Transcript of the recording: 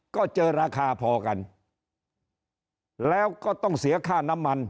ก็เจอราคาพอกันแล้วก็ต้องเสียค่าน้ำมัน